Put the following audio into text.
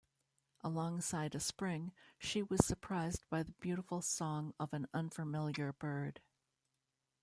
Alongside a spring, she was surprised by the beautiful song of an unfamiliar bird.